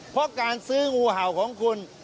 เพราะการซื้องูเห่าของคุณ